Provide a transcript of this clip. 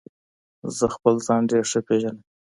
زه خپل ځان ډیر ښه پیژنم.